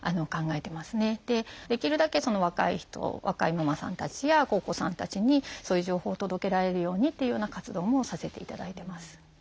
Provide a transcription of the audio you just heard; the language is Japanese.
できるだけ若い人若いママさんたちやお子さんたちにそういう情報を届けられるようにっていうような活動もさせていただいてます。